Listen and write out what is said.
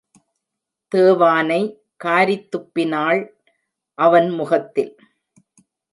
தேவானை காரித்துப்பினாள் அவன் முகத்தில்.